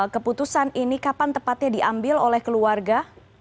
keputusan ini kapan tepatnya diambil oleh keluarga